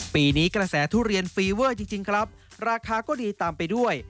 ปีนี้กระแสทุเรียนฟีเวอร์จริงครับราคาก็ดีตามไปด้วย